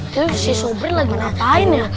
sese sobre lagi mau ngapain ya